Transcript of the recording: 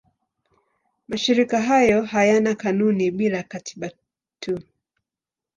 Mashirika hayo hayana kanuni bali katiba tu.